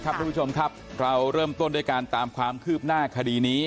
คุณผู้ชมครับเราเริ่มต้นด้วยการตามความคืบหน้าคดีนี้